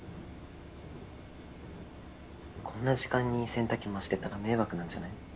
・こんな時間に洗濯機回してたら迷惑なんじゃない？